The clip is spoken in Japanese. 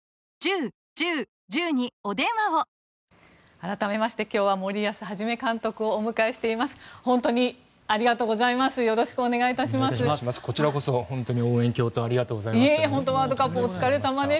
改めまして今日は森保一監督をお迎えしています。